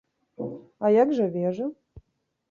А як жа вежа?